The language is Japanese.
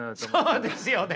そうですよね。